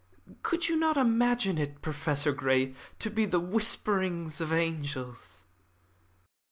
Could you not imagine it, Professor Grey, to be the whisperings of angels?"